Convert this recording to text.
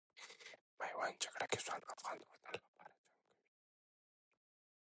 میوند جګړې کې ځوان افغانان د وطن لپاره جنګ کوي.